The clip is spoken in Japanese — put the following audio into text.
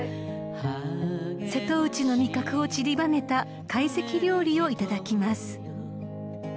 ［瀬戸内の味覚を散りばめた会席料理をいただきます］